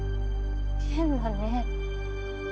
変だね。